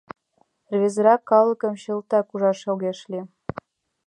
Рвезырак калыкым чылтак ужаш огеш лий.